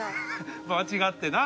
間違ってな。